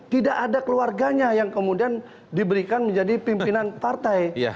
tidak ada keluarganya yang kemudian diberikan menjadi pimpinan partai